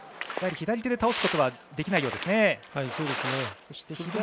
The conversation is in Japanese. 左手で倒すことはできないようですね。